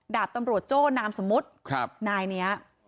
ดาบตำรวจโจ้นามสมมุตินายนี้